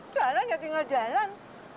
jalan ya tinggal jalan